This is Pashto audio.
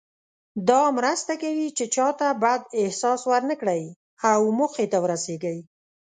دا مرسته کوي چې چاته بد احساس ورنه کړئ او موخې ته ورسیږئ.